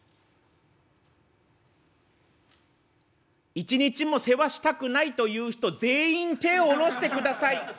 「一日も世話したくないという人全員手下ろしてください。